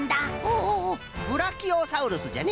ほうブラキオサウルスじゃね。